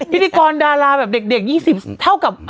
พิธีกรดาราแบบเด็ก๒๐เท่ากับ